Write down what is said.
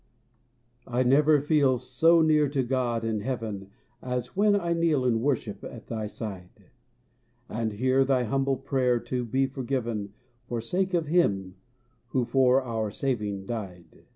I never feel so near to God and heaven As when I kneel in worship at thy side, And hear thy humble prayer to be forgiven For sake of Him who for our saving died.